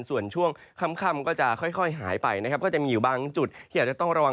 ส่วนช่วงค่ำก็จะค่อยหายไปนะครับก็จะมีอยู่บางจุดที่อาจจะต้องระวัง